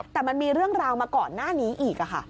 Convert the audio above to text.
แต่มันมีเรื่องราวมาก่อนหน้านี้อีก